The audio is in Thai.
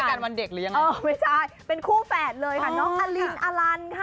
กันวันเด็กหรือยังไงไม่ใช่เป็นคู่แฝดเลยค่ะน้องอลินอลันค่ะ